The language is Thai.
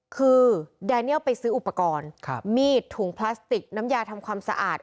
คือแดเนียลไปซื้ออุปกรณ์มีดถุงพลาสติกน้ำยาทำความสะอาด